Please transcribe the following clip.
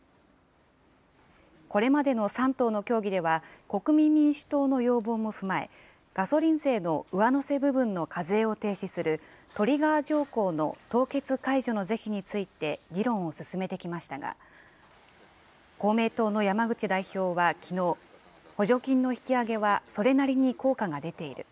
これまでの３党の協議では、国民民主党の要望も踏まえ、ガソリン税の上乗せ部分の課税を停止するトリガー条項の凍結解除の是非について議論を進めてきましたが、公明党の山口代表はきのう、補助金の引き上げはそれなりに効果が出ている。